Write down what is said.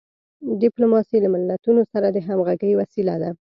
ډیپلوماسي له ملتونو سره د همږغی وسیله ده.